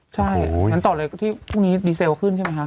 ใช่งั้นต่อเลยที่พรุ่งนี้ดีเซลขึ้นใช่ไหมครับ